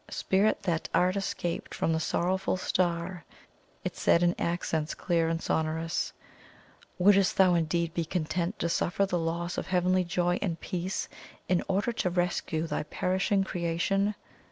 "Spirit that art escaped from the Sorrowful Star," it said in accents clear and sonorous, "wouldst thou indeed be content to suffer the loss of heavenly joy and peace, in order to rescue thy perishing creation?"